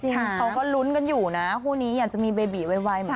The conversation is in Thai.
เขาก็ลุ้นกันอยู่นะคู่นี้อยากจะมีเบบีไวเหมือนกัน